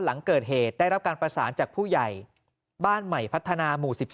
หลังเกิดเหตุได้รับการประสานจากผู้ใหญ่บ้านใหม่พัฒนาหมู่๑๒